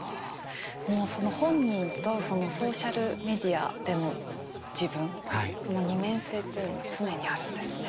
もうその本人とそのソーシャルメディアでの自分この二面性っていうのが常にあるんですね。